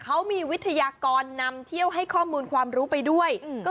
เขามีวิทยากรนำเที่ยวให้ข้อมูลความรู้ไปด้วย